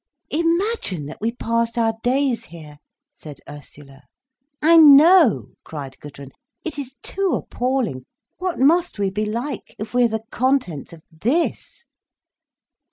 "Imagine that we passed our days here!" said Ursula. "I know," cried Gudrun. "It is too appalling. What must we be like, if we are the contents of _this!